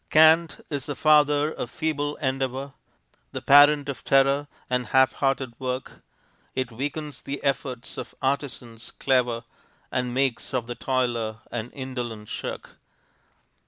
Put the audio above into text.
Can't is the father of feeble endeavor, The parent of terror and half hearted work; It weakens the efforts of artisans clever, And makes of the toiler an indolent shirk.